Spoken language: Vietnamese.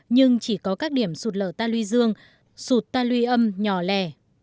nhưng chỉ có các điểm sụt lở ta luy dương sụt ta luy âm nhỏ lẻ